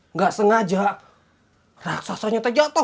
nggak sengaja raksasanya teh jatuh